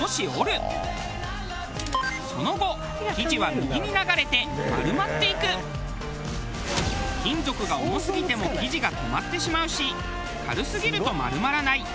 左から流れてきた金属が重すぎても生地が止まってしまうし軽すぎると丸まらない。